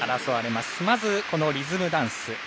まずリズムダンス。